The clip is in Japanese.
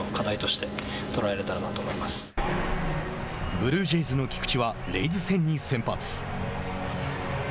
ブルージェイズの菊池はレイズ戦に先発。